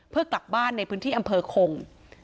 เพื่อกลับบ้านในพื้นที่อำเภอคง